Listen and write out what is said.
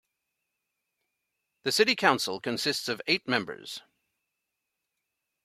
The city council consists of eight members.